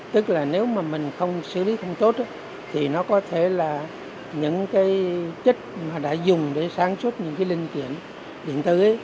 tức là nếu mà mình xử lý không tốt thì nó có thể là những cái chất mà đã dùng để sáng suất những cái linh kiện điện tử